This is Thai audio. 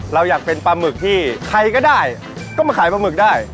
เราอยากเป็นปลาหมึกที่ใครก็ได้ก็มาขายปลาหมึกได้